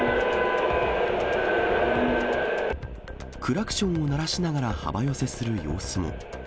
クラクションを鳴らしながら幅寄せする様子も。